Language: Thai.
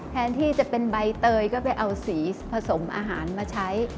แทนที่จะเป็นใบเตยก็ไปเอาสีผสมอาหารมาใช้